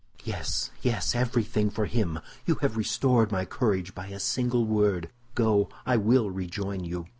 "Yes, yes, everything for him. You have restored my courage by a single word; go, I will rejoin you."